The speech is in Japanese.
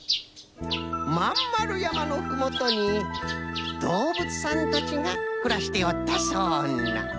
まんまるやまのふもとにどうぶつさんたちがくらしておったそうな。